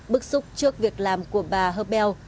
bức xúc trước việc làm của bà herbel